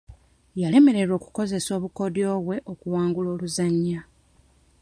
Yalemererwa okukozesa obukodyo bwe okuwangula oluzannya.